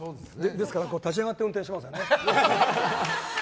ですから、立ち上がってできませんね。